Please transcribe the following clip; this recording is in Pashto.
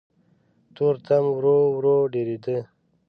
تورتم ورو ورو ډېرېده.